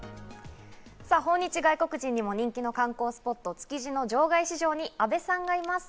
訪日外国人にも人気の観光スポット、築地の場外市場に阿部さんがいます。